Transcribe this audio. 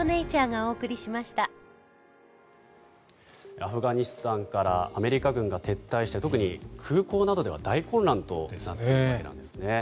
アフガニスタンからアメリカ軍が撤退して特に空港などでは大混乱となっているわけなんですね。